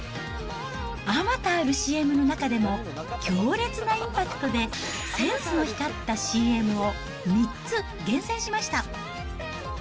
あまたあるＣＭの中でも、強烈なインパクトでセンスの光ったＣＭを３つ厳選しました。